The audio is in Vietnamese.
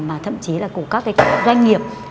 mà thậm chí là của các doanh nghiệp